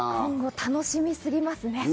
楽しみすぎますね。